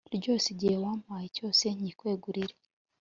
ryose, igihe wampaye cyose nkikwegurire